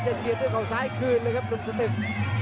เสียบด้วยเขาซ้ายคืนเลยครับหนุ่มสตึก